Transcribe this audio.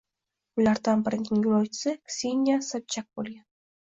Ulardan birining yo‘lovchisi Kseniya Sobchak bo‘lgan